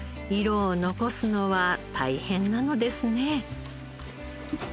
色を残すのは大変なのですね。